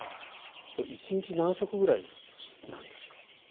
１日何食ぐらいなんですか？